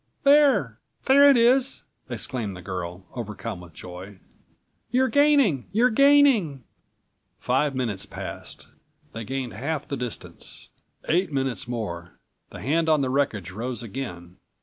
"There—there it is!" exclaimed the girl, overcome with joy. "You're gaining! You're gaining!" Five minutes passed. They gained half the distance. Eight minutes more; the hand on the wreckage rose again.